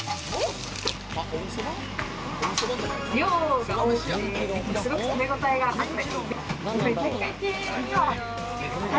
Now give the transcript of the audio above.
量が多くて、すごく食べごたえがあって。